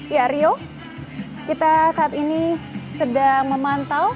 ya rio kita saat ini sedang memantau